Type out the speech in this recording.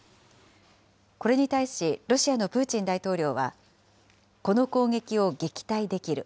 これに対し、ロシアのプーチン大統領は、この攻撃を撃退できる。